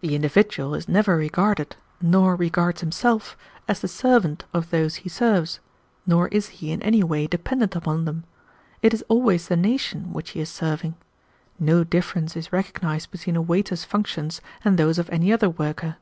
The individual is never regarded, nor regards himself, as the servant of those he serves, nor is he in any way dependent upon them. It is always the nation which he is serving. No difference is recognized between a waiter's functions and those of any other worker.